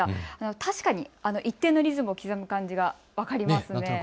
確かに一定のリズムを刻む感じが分かりますね。